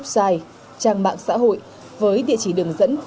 website trang mạng xã hội với địa chỉ đường dẫn